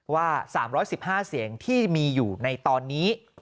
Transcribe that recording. ว่า๓๑๕เสียงที่มีอยู่ในตอนนี้